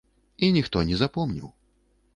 І ніхто не запомніў.